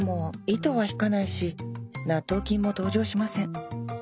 糸は引かないし納豆菌も登場しません。